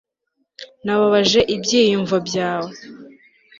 nababaje ibyiyumvo byawe